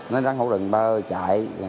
nó rắn hổ rừng ba ơi chạy